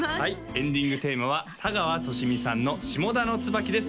エンディングテーマは田川寿美さんの「下田の椿」です